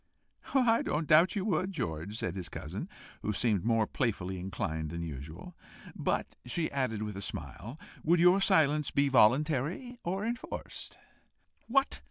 "I don't doubt you would, George," said his cousin, who seemed more playfully inclined than usual. "But," she added, with a smile, "would your silence be voluntary, or enforced?" "What!"